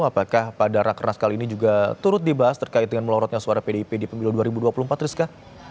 apakah pada rakernas kali ini juga turut dibahas terkait dengan melorotnya suara pdip di pemilu dua ribu dua puluh empat rizka